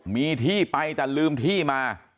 มีที่ไปแต่ลืมที่มา